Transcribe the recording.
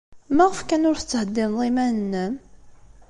Maɣef kan ur tettheddineḍ iman-nnem?